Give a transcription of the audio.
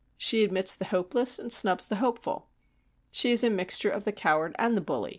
She admits the hopeless and snubs the hopeful. She is a mixture of the coward and the bully.